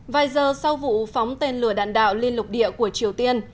vài giờ sau vụ phóng tên lửa đạn đạo liên lục địa của triều tiên